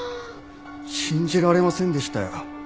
信じられませんでしたよ。